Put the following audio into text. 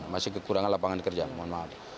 masih kekurangan lapangan kerja mohon maaf